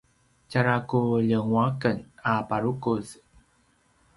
tjara ku ljenguaqen a purukuz